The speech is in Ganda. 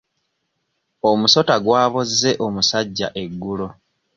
Omusota gwabozze omusajja eggulo.